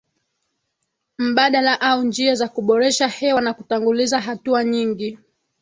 mbadala au njia za kuboresha hewa na kutanguliza hatua Nyingi